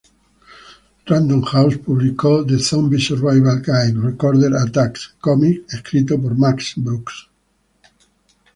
Random House publicó The Zombie Survival Guide: Recorded Attacks cómic escrito por Max Brooks.